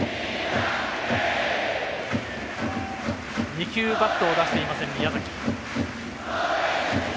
２球、バットを出していません、宮崎。